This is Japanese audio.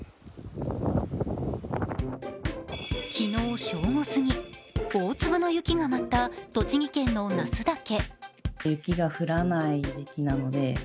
昨日正午過ぎ、大粒の雪が舞った栃木県の那須岳。